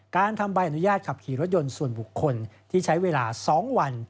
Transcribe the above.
การทำใบอนุญาตขับขี่รถยนต์ส่วนบุคคลที่ใช้เวลา๒วัน